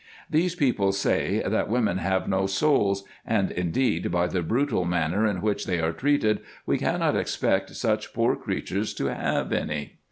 These people say, that women have no souls ; and indeed, by the brutal manner in which they are treated, we cannot expect such poor creatures to have any.